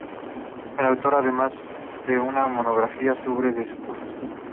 Es autor además de una monografía sobre Debussy.